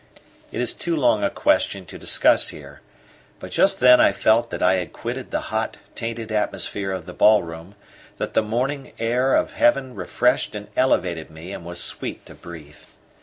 It is too long a question to discuss here; but just then I felt that I had quitted the hot, tainted atmosphere of the ballroom, that the morning air of heaven refreshed and elevated me and was sweet to breathe.